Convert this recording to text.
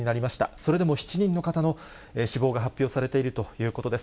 それでも７人の方の死亡が発表されているということです。